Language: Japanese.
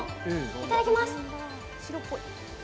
いただきます。